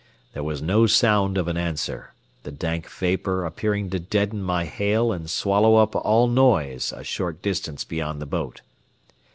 There was no sound of an answer, the dank vapor appearing to deaden my hail and swallow up all noise a short distance beyond the boat.